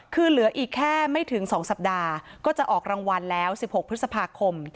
คือเหลืออีกแค่ไม่ถึง๒สัปดาห์ก็จะออกรางวัลแล้ว๑๖พฤษภาคม